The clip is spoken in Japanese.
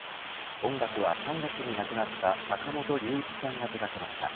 音楽は３月に亡くなった坂本龍一さんが手がけました。